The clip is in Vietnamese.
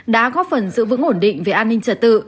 đã góp phần giữ vững ổn định về an ninh trật tự